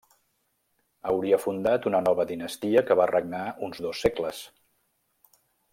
Hauria fundat una nova dinastia que va regnar uns dos segles.